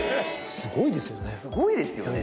すごいですよね。